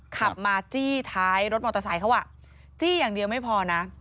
ขับมาจี้ท้ายรถมอเตอร์ไซค์เขาอ่ะจี้อย่างเดียวไม่พอนะ